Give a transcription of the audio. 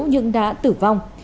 nhưng đã tử vong